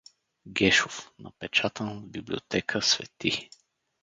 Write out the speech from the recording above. Гешов, напечатен в „Библиотека Св.